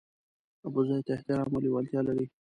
ابوزید ته احترام او لېوالتیا لري.